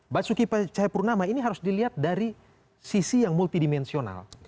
basuki cahayapurnama ini harus dilihat dari sisi yang multidimensional